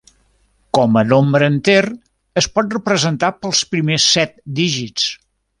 Com a nombre enter, es pot representar pels primers set dígits.